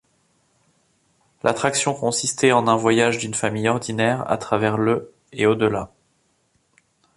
L'attraction consistait en un voyage d'une famille ordinaire à travers le et au-delà.